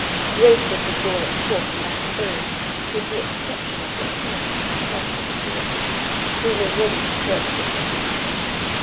Great was the joy at Court amongst all, with the exception of the queen and her club footed daughter, who were ready to burst with envy.